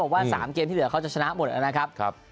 ว่า๓เกมที่เหลือเขาจะชนะหมดนะครับ